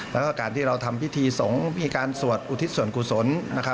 แล้วก็การที่เราทำพิธีสงฆ์มีการสวดอุทิศส่วนกุศล